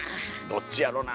どっちやろなあ。